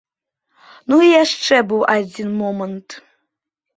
Ну і яшчэ быў адзін момант.